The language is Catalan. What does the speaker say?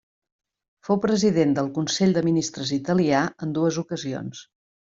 Fou president del consell de ministres italià en dues ocasions.